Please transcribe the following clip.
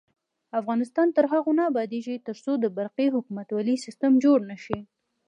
افغانستان تر هغو نه ابادیږي، ترڅو د برقی حکومتولي سیستم جوړ نشي.